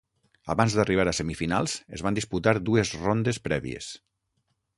Abans d'arribar a semifinals es van disputar dues rondes prèvies.